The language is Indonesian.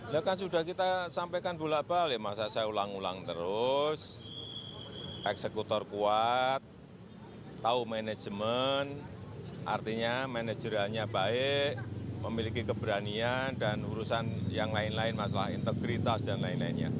ya kan sudah kita sampaikan pula balik masa saya ulang ulang terus eksekutor kuat tahu manajemen artinya manajerialnya baik memiliki keberanian dan urusan yang lain lain masalah integritas dan lain lainnya